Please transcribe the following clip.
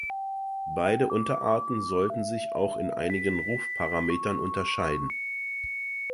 Beide Unterarten sollen sich auch in einigen Rufparametern unterscheiden.